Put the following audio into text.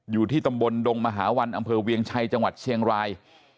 อยู่ที่ตำบลดงมหาวันอำเภอเวียงชัยจังหวัดเชียงราย